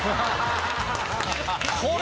これ！